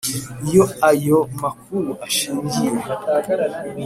Iyo ayo makuru ashingiye